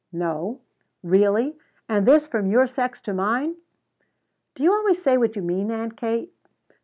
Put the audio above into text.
"No? Really? And this from your sex to mine!" "Do you always say what you mean, Aunt Kate?"